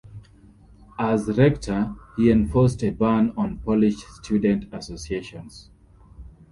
As rector, he enforced a ban on Polish student associations.